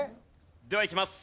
ではいきます。